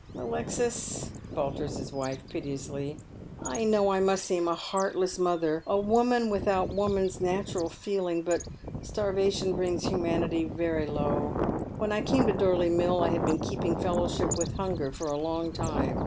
" Alexis," falters his wife, piteously, " I know I must seem a heartless mother, a woman without woman's natural feeling, but starvation brings humanity very low. When I came to Dorley Mill I had been keeping fellowsliip with Hunger for a longtime.